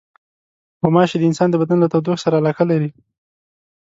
غوماشې د انسان د بدن له تودوخې سره علاقه لري.